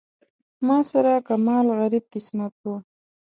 ما سره کمال غریب قسمت و.